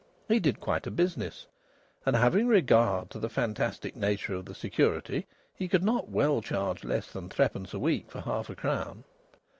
He did quite a business. And having regard to the fantastic nature of the security, he could not well charge less than threepence a week for half a crown.